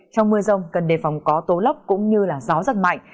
trong mưa rông cần đề phòng có tố lốc cũng như gió rất mạnh